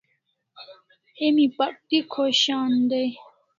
Emi pak'ti khoshen dai